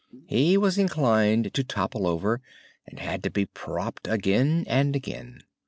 He was inclined to topple over, and had to be propped again and again.